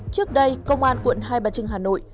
trước đây công an quận hai bà trưng hà nội